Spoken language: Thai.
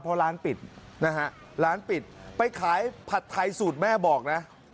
เพราะร้านปิดนะฮะร้านปิดไปขายผัดไทยสูตรแม่บอกนะ